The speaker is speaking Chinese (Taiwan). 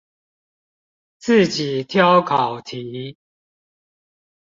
自己挑考題